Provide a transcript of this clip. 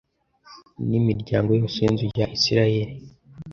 n’imiryango yose y’inzu ya Isirayeli